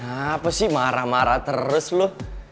apa sih marah marah terus loh